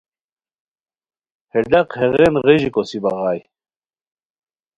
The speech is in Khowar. ہے ڈاق ہیغین غیژی کوسی بغائے